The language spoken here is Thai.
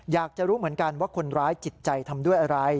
อยากจะรู้เหมือนกันว่าคนร้ายจิตใจทำด้วยอะไร